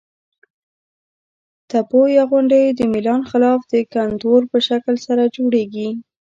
تپو یا غونډیو د میلان خلاف د کنتور په شکل سره جوړیږي.